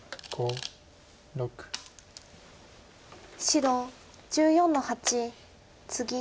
白１４の八ツギ。